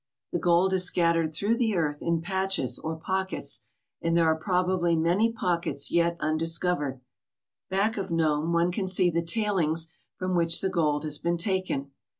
The gold is scattered through the earth in patches or pockets, and there are probably many pockets yet undis covered. Back of Nome one can see the tailings from which the gold has been taken.